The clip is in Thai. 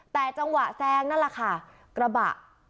แต่จังหวะแซงนั่นแหละค่ะกระบะ